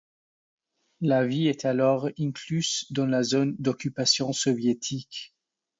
La ville est alors incluse dans la zone d'occupation soviétique.